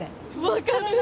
分かる。